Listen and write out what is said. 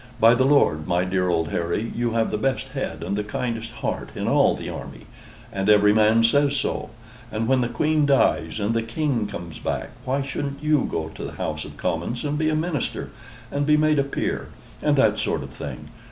By the Lord, my dear old Harry, you have the best head and the kindest heart in all the army; and every man says so and when the Queen dies, and the King comes back, why shouldn't you go to the House of Commons, and be a Minister, and be made a Peer, and that sort of thing?